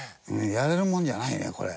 やれるもんじゃないねこれ。